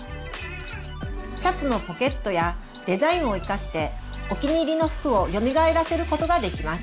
シャツのポケットやデザインを生かしてお気に入りの服をよみがえらせることができます。